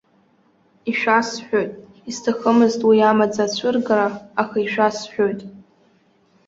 Ишәасҳәоит, исҭахымызт уи амаӡа ацәыргара, аха ишәасҳәоит!